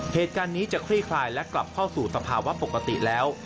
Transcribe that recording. เหตุการณ์นี้จะคลี่คลายและกลับเข้าสู่สภาวะปกติแล้ว